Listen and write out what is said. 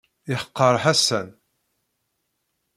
Yeḥqer Ḥasan.